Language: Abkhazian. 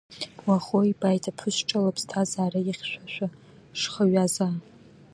Уаӷоу ибааит аԥҳәыс ҿа лыԥсҭазаара ихьшәашәа-шхаҩазаа.